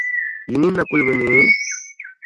Yi nini na kul bi neei?